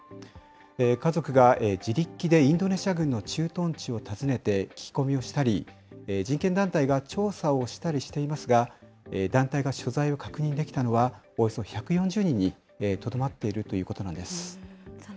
家族が自力でインドネシア軍の駐屯地を訪ねて聞き込みをしたり、人権団体が調査をしたりしていますが、団体が所在を確認できたのは、およそ１４０人にとどまっているということなんです。